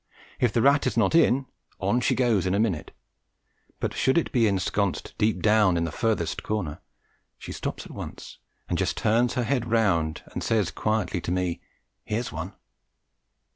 If the rat is not in, on she goes in a minute; but should it be ensconced deep down in the furthest corner, she stops at once and just turns her head round and says quietly to me, "Here's one."